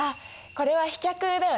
これは飛脚絵だよね。